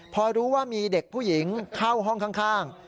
พอรู้ว่ามีเด็กผู้หญิงเข้าห้องข้าง